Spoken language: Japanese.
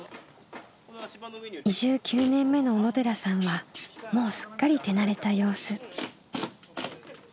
移住９年目の小野寺さんはもうすっかり手慣れた様子。